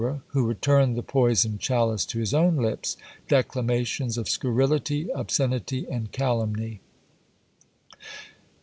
who returned the poisoned chalice to his own lips; declamations of scurrility, obscenity, and calumny!